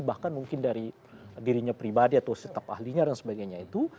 bahkan mungkin dari dirinya pribadi atau staf ahlinya dan sebagainya itu